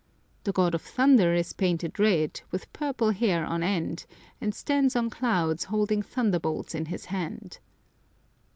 The god of thunder is painted red, with purple hair on end, and stands on clouds holding thunderbolts in his hand.